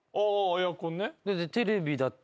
エアコンね。